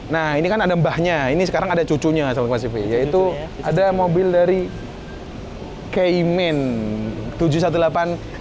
nah ini kan ada mbahnya ini sekarang ada cucunya sama klasifikasi yaitu ada mobil dari caimin tujuh ratus delapan belas